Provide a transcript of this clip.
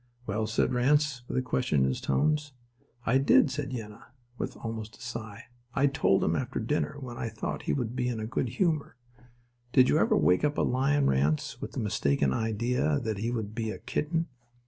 "Well?" said Ranse, with a question in his tones. "I did," said Yenna, with almost a sigh. "I told him after dinner when I thought he would be in a good humour. Did you ever wake up a lion, Ranse, with the mistaken idea that he would be a kitten?